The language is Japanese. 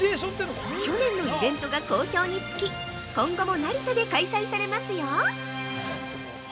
去年のイベントが好評につき、今後も成田で開催されますよ。